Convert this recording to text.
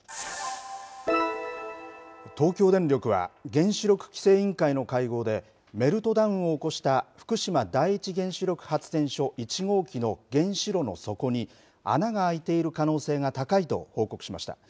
東京電力は、原子力規制委員会の会合で、メルトダウンを起こした福島第一原子力発電所１号機の原子炉の底に、穴が開いている可能性が高いと報告しました。